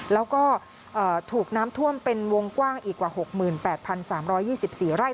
แล้วก็ถูกน้ำท่วมเป็นวงกว้างอีกกว่า๖๘๓๒๔ไร่